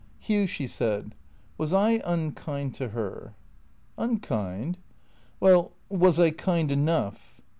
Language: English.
" Hugh," she said, " was I unkind to her? " "Unkind?" " Well, was I kind enough